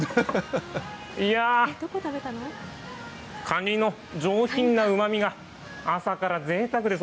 いやー、カニの上品なうまみが朝からぜいたくです。